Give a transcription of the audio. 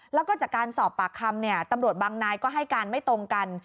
แล้วก็จากการสอบปากคำตำรวจบางนายก็ให้การไม่ตรงกัน